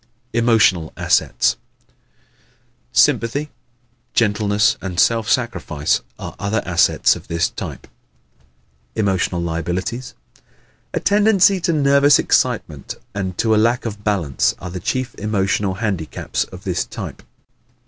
Emotional Assets ¶ Sympathy, gentleness and self sacrifice are other assets of this type. Emotional Liabilities ¶ A tendency to nervous excitement and to a lack of balance are the chief emotional handicaps of this type.